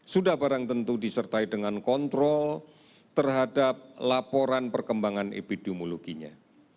sudah barang tentu disertai dengan kontrol terhadap laporan perkembangan epidemiologinya